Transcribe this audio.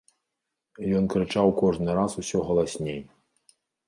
Ён крычаў кожны раз усё галасней.